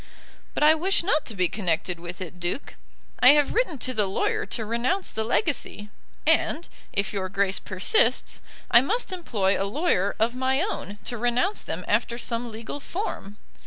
"But I wish not to be connected with it, Duke. I have written to the lawyer to renounce the legacy, and, if your Grace persists, I must employ a lawyer of my own to renounce them after some legal form.